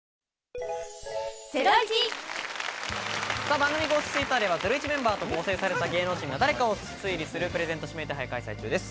番組公式Ｔｗｉｔｔｅｒでは『ゼロイチ』メンバーと合成された芸能人が誰かを推理するプレゼント指名手配を開催中です。